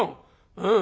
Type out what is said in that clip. うん。